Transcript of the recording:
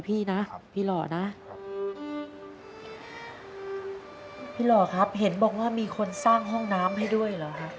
พี่หล่อครับเห็นบอกว่ามีคนสร้างห้องน้ำให้ด้วยเหรอครับ